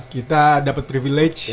kita dapat privilege